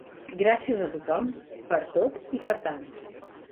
Gràcies a tothom per tot i per tant.